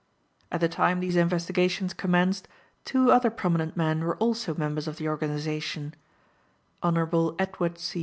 At the time these investigations commenced two other prominent men were also members of the organization, Hon. Edward C.